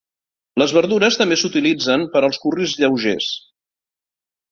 Les verdures també s'utilitzen per als curris lleugers.